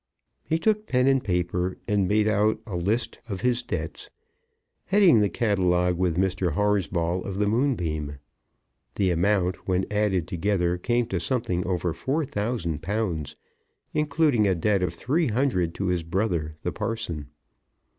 He took pen and paper, and made out a list of his debts, heading the catalogue with Mr. Horsball of the Moonbeam. The amount, when added together, came to something over four thousand pounds, including a debt of three hundred to his brother the parson.